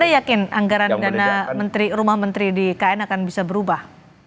saya yakin anggaran dana rumah menteri di ikn akan bisa berubah